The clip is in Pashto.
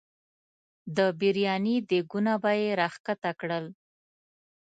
د برياني دیګونه به یې راښکته کړل.